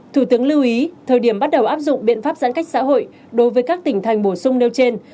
thủ tướng lưu ý thời điểm bắt đầu áp dụng biện pháp giãn cách xã hội đối với các tỉnh thành bổ sung nêu trên